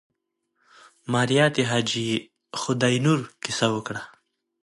ماريا د حاجي خداينور کيسه وکړه.